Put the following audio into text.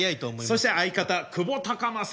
そして相方久保孝真。